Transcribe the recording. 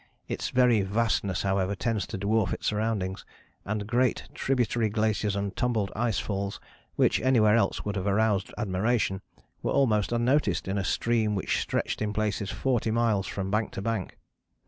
Its very vastness, however, tends to dwarf its surroundings, and great tributary glaciers and tumbled ice falls, which anywhere else would have aroused admiration, were almost unnoticed in a stream which stretched in places forty miles from bank to bank.